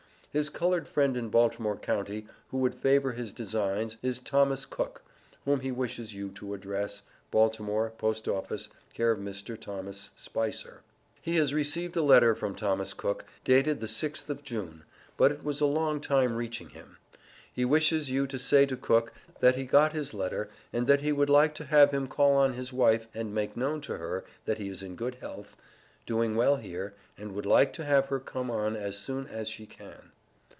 His colored friend in Baltimore county, who would favor his designs, is Thomas Cook, whom he wishes you to address, Baltimore post office, care of Mr. Thomas Spicer. He has received a letter from Thomas Cook, dated the 6th of June, but it was a long time reaching him. He wishes you to say to Cook, that he got his letter, and that he would like to have him call on his wife and make known to her, that he is in good health, doing well here, and would like to have her come on as soon as she can.